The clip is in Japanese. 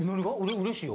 うれしいよ。